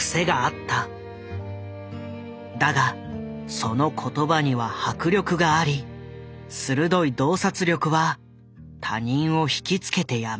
だがその言葉には迫力があり鋭い洞察力は他人を引き付けてやまなかった。